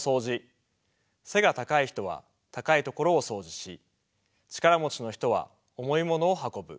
背が高い人は高いところをそうじし力持ちの人は重いものを運ぶ。